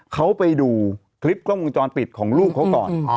เขาไปดูคลิปกล้องวงจรปิดของลูกเขาก่อน